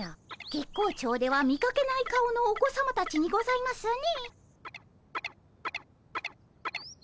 月光町では見かけない顔のお子さまたちにございますね。